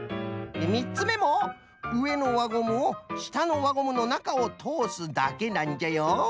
みっつめもうえのわゴムをしたのわゴムのなかをとおすだけなんじゃよ。